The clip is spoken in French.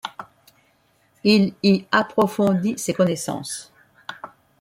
Il y approfondit ses connaissances.